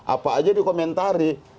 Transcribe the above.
apa aja dikomentari